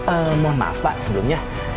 eh mohon maaf pak sebelumnya